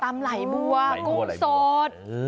ตำไหล่มัวด์กุ้งสด